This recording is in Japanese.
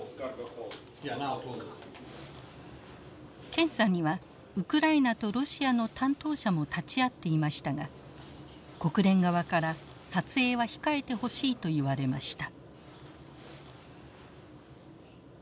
検査にはウクライナとロシアの担当者も立ち会っていましたが国連側から撮影は控えてほしいと言われました。